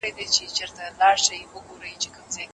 د نرمغالي دپاره تاسي باید خپلي پوهني ته ډېر پام وکړئ.